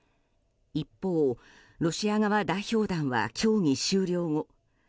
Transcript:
一方、ロシア側代表団は協議終了後